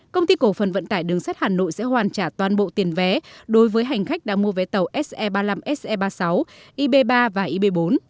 công ty cổ phần vận tải đường sắt hà nội sẽ hoàn trả toàn bộ tiền vé đối với hành khách đã mua vé tàu se ba mươi năm se ba mươi sáu ib ba và ib bốn